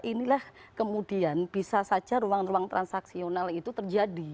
inilah kemudian bisa saja ruang ruang transaksional itu terjadi